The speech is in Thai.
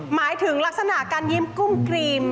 หมายถึงลักษณะการยิ้มกุ้งกรีม